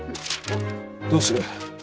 どうする。